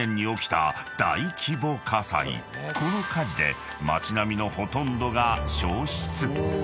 ［この火事で街並みのほとんどが焼失］